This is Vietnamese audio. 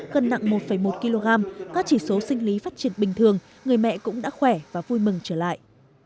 cân nặng một một kg các chỉ số sinh lý phát triển bình thường người mẹ cũng đã khỏe và vui mừng trở lại